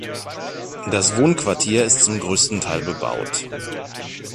Das Wohnquartier ist zum größten Teil bebaut.